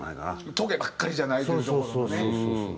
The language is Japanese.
とげばっかりじゃないっていうところもね。